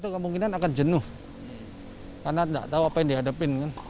kemungkinan akan jenuh karena tidak tahu apa yang dihadapin kan